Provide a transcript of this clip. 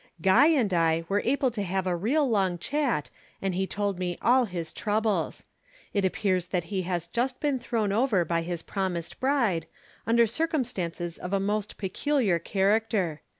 Guy and I were able to have a real long chat and he told me all his troubles. It appears that he has just been thrown over by his promised bride under circumstances of a most peculiar character.